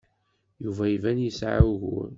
Yuba iban yesɛa ugur.